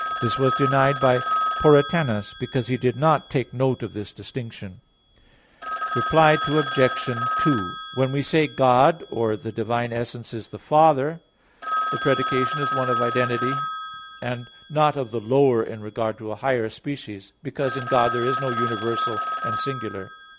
This was denied by Porretanus because he did not take note of this distinction. Reply Obj. 2: When we say, "God," or "the divine essence is the Father," the predication is one of identity, and not of the lower in regard to a higher species: because in God there is no universal and singular.